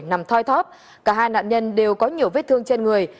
cao thóp cả hai nạn nhân đều có nhiều vết thương trên người